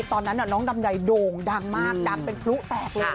ตอนนั้นน้องลำไยโด่งดังมากดังเป็นพลุแตกเลย